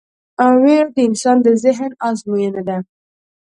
وېره د انسان د ذهن ازموینه ده.